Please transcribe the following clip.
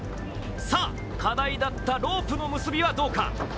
さぁ、課題だったロープの結びはどうか。